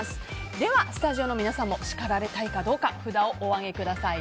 ではスタジオの皆さんも叱られたいかどうか札をお上げください。